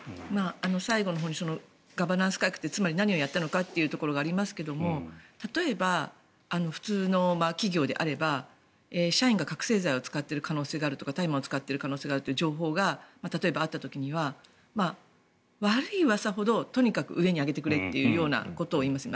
最後のほうにガバナンス改革ってつまり何をやったのかってありますけども例えば、普通の企業であれば社員が覚醒剤を使っている可能性があるとか大麻を使ってる可能性があるという情報が例えば、あった時には悪いうわさほどとにかく上に上げてくれということを言いますよね。